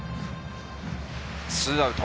ツーアウト。